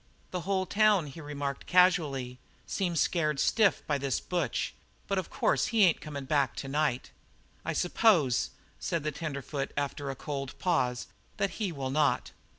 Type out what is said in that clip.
"The whole town," he remarked casually, "seems scared stiff by this Butch; but of course he ain't comin' back to night." "I suppose," said the tenderfoot, after a cold pause, "that he will not."